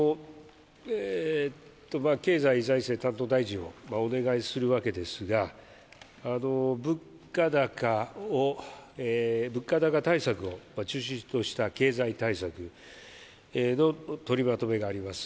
経済財政担当大臣をお願いするわけですが物価高対策を中心とした経済対策の取りまとめがあります